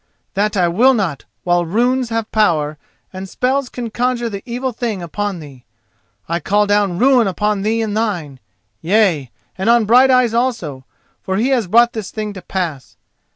That I will not while runes have power and spells can conjure the evil thing upon thee. I call down ruin on thee and thine—yea and on Brighteyes also, for he has brought this thing to pass.